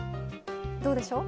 どうでしょう？